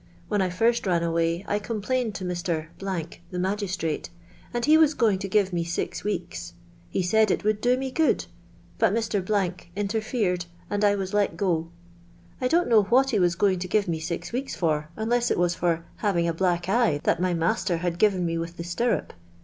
Whin I rn>l ran away I complained to Mr. till* nlagi^tratl•, and he wiu going to give me six weeka. lli> Miid it would do me good; but Mr. iiil' rfiTi d, and I wa.H let go. I don't know what he was going to give me six weeks fur, uiiloM it was tor having a black eye that my niasler had given me with the stirrup.